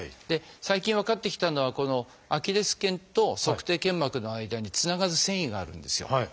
で最近分かってきたのはこのアキレス腱と足底腱膜の間につながる線維があるんですよ。